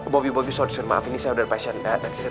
bobi bobi soh disuruh maaf ini saya udah ada pasien